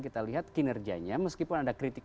kita lihat kinerjanya meskipun ada kritik